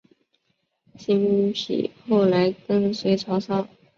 辛毗后来跟随曹操。